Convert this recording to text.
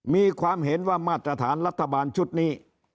มีความเห็นว่ามาตรฐานรัฐบาลชุดนี้